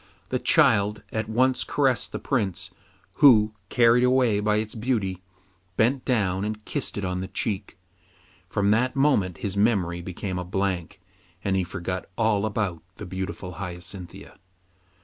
The child at once caressed the Prince, who, carried away by its beauty, bent down and kissed it on the cheek. From that moment his memory became a blank, and he forgot all about the beautiful Hyacinthia.